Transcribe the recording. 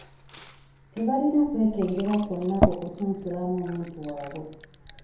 Tebalina kwekengera kwonna ku kusunsulamu omuntu waabwe.